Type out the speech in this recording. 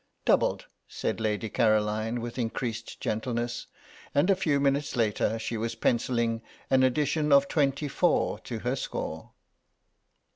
"Doubled," said Lady Caroline, with increased gentleness, and a few minutes later she was pencilling an addition of twenty four to her score.